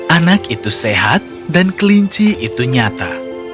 anak itu sehat dan kelinci itu nyata